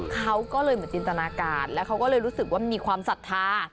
เขาก็เลยเหมือนจินตนาการแล้วเขาก็เลยรู้สึกว่ามันมีความศรัทธา